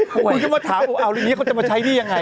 ผมก็มาถามว่าเขาจะมาใช้เนี้ยยังไง